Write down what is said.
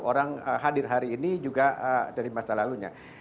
orang hadir hari ini juga dari masa lalunya